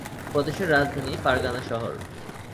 প্রদেশের রাজধানী ফারগানা শহর।